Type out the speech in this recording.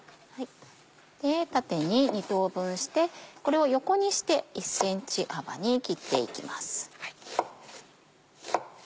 縦に２等分してこれを横にして１ｃｍ幅に切っていきます。